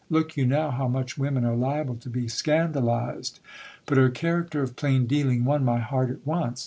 Look you now, how much women are liable to be scandalized. But her character of plain dealing won my heart at once.